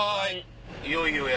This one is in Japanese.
いよいよや。